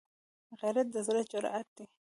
غیرت د زړه جرأت دی